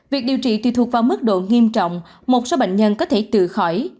việc điều trị tùy thuộc vào mức độ nghiêm trọng một số bệnh nhân có thể tự khỏi